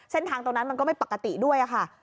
เส้นทางตรงนั้นมันก็ไม่ปกติด้วยค่ะ